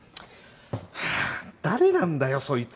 ハァ誰なんだよそいつ！